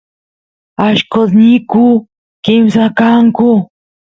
allqosniyku kimsa kanku